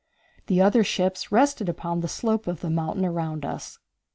The other ships rested upon the slope of the mountain around us.